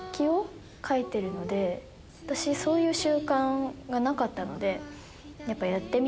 私そういう習慣がなかったのでやっぱ。